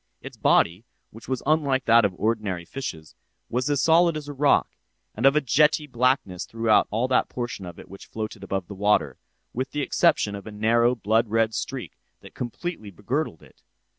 Its body, which was unlike that of ordinary fishes, was as solid as a rock, and of a jetty blackness throughout all that portion of it which floated above the water, with the exception of a narrow blood red streak that completely begirdled it.